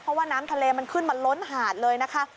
เพราะว่าน้ำทะเลมันขึ้นมาล้นหาดเลยนะคะ